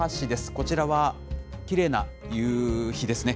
こちらはきれいな夕日ですね。